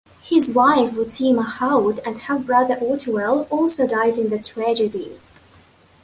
His wife Lucia-Mahaut and half-brother Ottuel also died in the tragedy.